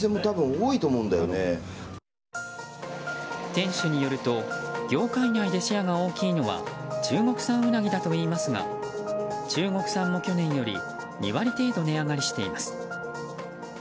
店主によると業界内でシェアが大きいのは中国産ウナギだといいますが中国産も去年より２割程度値上がりしています。